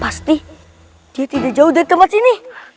pasti dia tidak jauh dari tempat sini